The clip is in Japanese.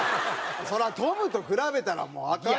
そりゃトムと比べたらもうアカンやろ。